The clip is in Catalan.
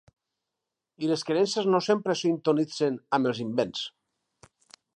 I les creences no sempre sintonitzen amb els invents.